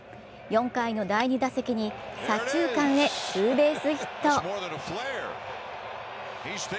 ４回の第２打席に左中間へツーベースヒット。